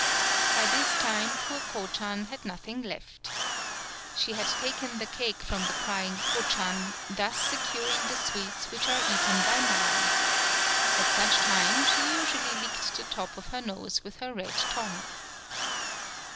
By this time poor Ko chan had nothing left. She had taken the cake from the crying Ko chan, thus securing the sweets which are eaten by man. At such time, she usually licked the top of her nose with her red tongue.